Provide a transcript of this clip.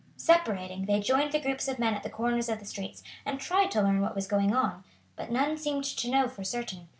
Separating, they joined the groups of men at the corners of the streets and tried to learn what was going on, but none seemed to know for certain.